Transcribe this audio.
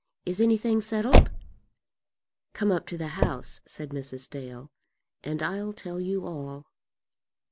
Is anything settled?" "Come up to the house," said Mrs. Dale, "and I'll tell you all."